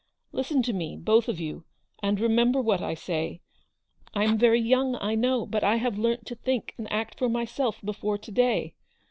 Listen to me, both of you, and remember what I say. I am very young, I know, but I have learnt to think and act for myself before to day.